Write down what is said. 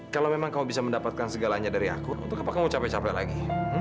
kalau memang kamu bisa mendapatkan segalanya dari aku untuk apakah kamu capek capek lagi